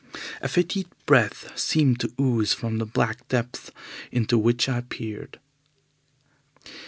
A fetid breath seemed to ooze from the black depths into which I peered.